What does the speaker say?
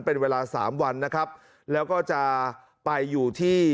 เป็นเวลาสามวันนะครับแล้วก็จะไปอยู่ที่